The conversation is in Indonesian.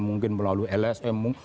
mungkin melalui lsm